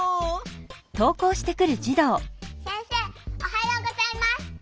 せんせいおはようございます。